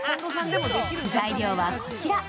材料はこちら。